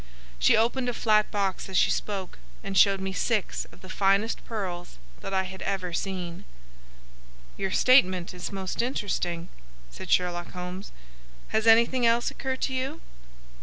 She opened a flat box as she spoke, and showed me six of the finest pearls that I had ever seen. "Your statement is most interesting," said Sherlock Holmes. "Has anything else occurred to you?"